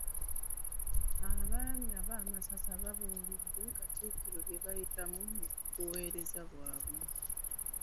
Abaami b'amasaza babuulidde Katikkiro bye bayitamu mu buweereza bwabwe.